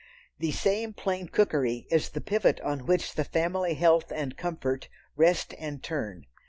The same "plain cookery" is the pivot on which the family health and comfort rest and turn.